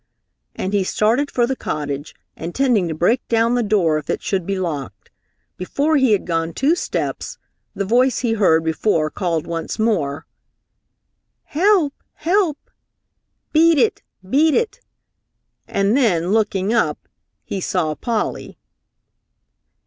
and he started for the cottage, intending to break down the door if it should be locked. Before he had gone two steps, the voice he heard before called once more, "Help! Help! Beat it! Beat it!" and then, looking up, he saw Polly.